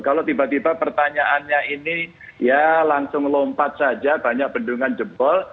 kalau tiba tiba pertanyaannya ini ya langsung lompat saja banyak bendungan jebol